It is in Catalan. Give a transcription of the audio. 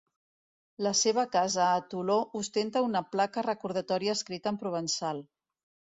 La seva casa a Toló ostenta una placa recordatòria escrita en provençal.